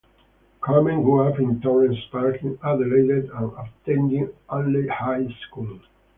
Carmen grew up in Torrens Park in Adelaide and attended Unley High School.